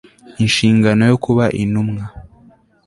inshingano yo kuba intumwa